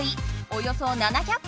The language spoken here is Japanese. およそ７００